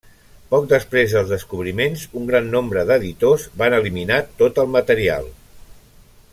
Poc després dels descobriments un gran nombre d'editors van eliminar tot el material.